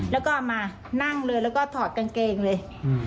แล้วก็มานั่งเลยแล้วก็ถอดกางเกงเลย